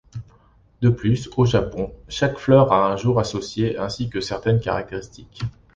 De plus, au Japon, chaque fleur a un jour associé ainsi que certaines caractéristiques.